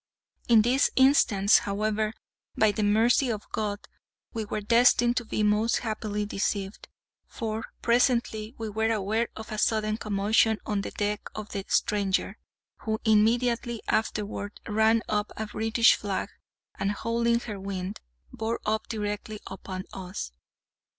{*2} In this instance, however, by the mercy of God, we were destined to be most happily deceived; for, presently we were aware of a sudden commotion on the deck of the stranger, who immediately afterward ran up a British flag, and, hauling her wind, bore up directly upon us.